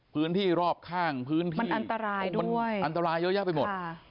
พื้นที่รอบข้างพื้นที่อันตรายเยอะแยะไปหมด